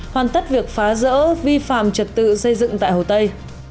hoàn tất việc phá rỡ vi phạm trật tự xây dựng tại hồ tây